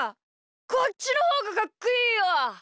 こっちのほうがかっこいいよ。